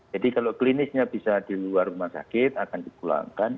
jadi kalau klinisnya bisa di luar rumah sakit akan di pulangkan